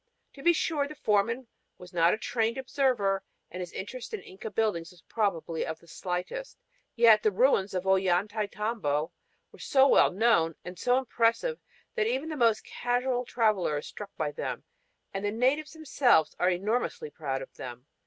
To be sure, the foreman was not a trained observer and his interest in Inca buildings was probably of the slightest. Yet the ruins of Ollantaytambo are so well known and so impressive that even the most casual traveler is struck by them and the natives themselves are enormously proud of them.